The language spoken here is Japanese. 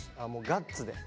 ガッツで。